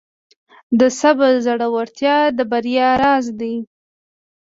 د صبر زړورتیا د بریا راز دی.